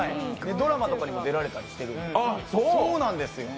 ドラマとかにも出られたりしてるんで。